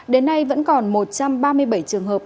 đến nay vẫn còn một trăm ba mươi bảy trường hợp